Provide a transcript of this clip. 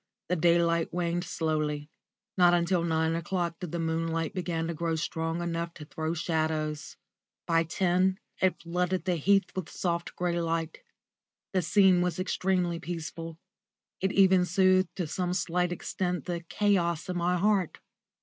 The daylight waned slowly. Not until nine o'clock did the moonlight begin to grow strong enough to throw shadows. By ten it flooded the Heath with soft grey light. The scene was extremely peaceful; it even soothed to some slight extent the chaos in my heart.